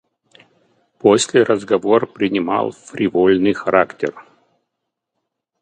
После разговор принимал фривольный характер.